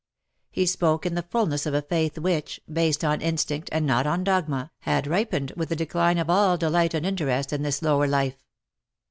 He spoke in the fulness of a faith which, based on instinct, and not on dogma, had ripened with the decline of all delight and interest in this lower life.